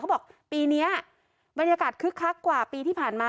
บอกปีนี้บรรยากาศคึกคักกว่าปีที่ผ่านมา